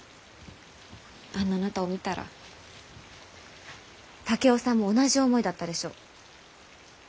あんなあなたを見たら竹雄さんも同じ思いだったでしょう。